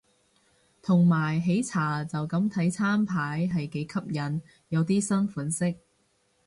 同埋喜茶就咁睇餐牌係幾吸引，有啲新款式